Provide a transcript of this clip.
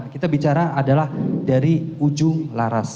kita bicara adalah dari ujung laras